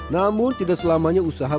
namun tidak selamanya usaha